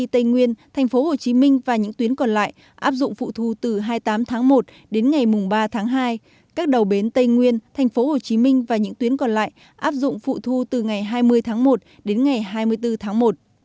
từ hai mươi tám tháng một đến ngày ba tháng hai các đầu bến tây nguyên tp hcm và những tuyến còn lại áp dụng phụ thu từ ngày hai mươi tháng một đến ngày hai mươi bốn tháng một